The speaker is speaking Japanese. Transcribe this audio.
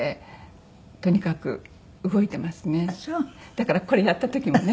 だからこれやった時もね。